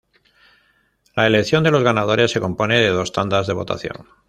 La elección de los ganadores se compone de dos tandas de votación.